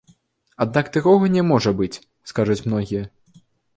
Аднак такога не можа быць, скажуць многія.